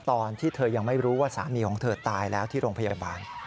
ตอนที่เธอยังไม่รู้ว่าสามีของเธอตายแล้วที่โรงพยาบาล